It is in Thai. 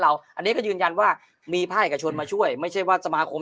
อันนี้ก็ยืนยันว่ามีภาคเอกชนมาช่วยไม่ใช่ว่าสมาคม